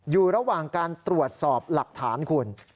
อยู่ระหว่างการตรวจสอบหลักฐานคุณ